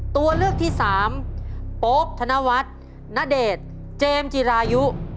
ตัวเลือกที่สามโป๊ปธนวัฒน์ณเดชน์เจมส์จิรายุ